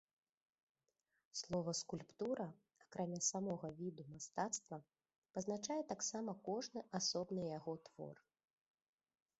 Слова скульптура, акрамя самога віду мастацтва, пазначае таксама кожны асобны яго твор.